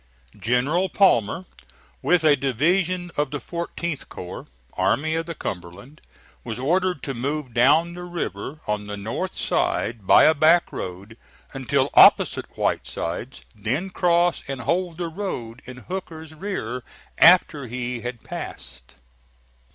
General Palmer, with a division of the 14th corps, Army of the Cumberland, was ordered to move down the river on the north side, by a back road, until opposite Whitesides, then cross and hold the road in Hooker's rear after he had passed.